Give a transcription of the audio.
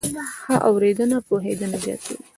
ښه اورېدنه پوهېدنه زیاتوي.